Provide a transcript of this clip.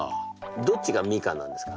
どっちがみかんなんですか？